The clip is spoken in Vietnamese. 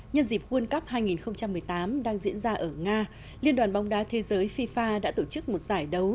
nhân dịp world cup hai nghìn một mươi tám đang diễn ra ở nga liên đoàn bóng đá thế giới fifa đã tổ chức một giải đấu